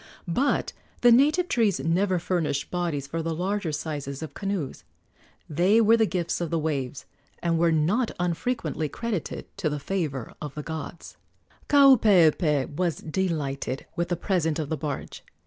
But the native trees never furnished bodies for the larger sizes of canoes. They were the gifts of the waves, and were not unfrequently credited to the favor of the gods. Kaupeepee was delighted with the present of the barge.